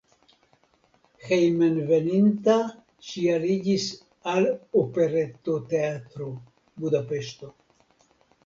Hejmenveninta ŝi aliĝis al Operetoteatro (Budapeŝto).